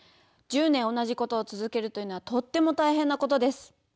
１０年同じことを続けるというのはとっても大変なことです。